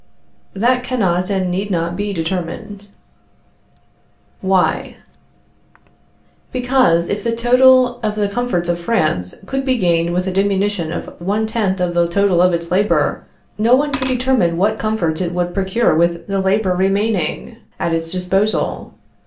That cannot and need not be determined. Why? Because, if the total of the comforts of France could be gained with a diminution of one tenth on the total of its labor, no one could determine what comforts it would procure with the labor remaining at its disposal.